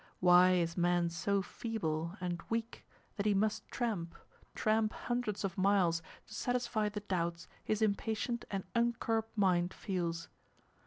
Why is man so feeble, and weak, that he must tramp, tramp hundreds of miles to satisfy the doubts his impatient and uncurbed mind feels?